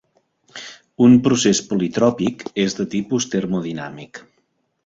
Un procés politròpic és de tipus termodinàmic.